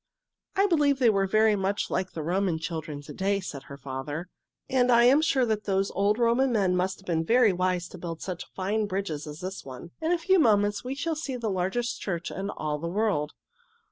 "I believe they were very much like the Roman children to day," said her father. "And I am sure those old Roman men must have been very wise to build such fine bridges as this one. In a few moments we shall see the largest church in all the world."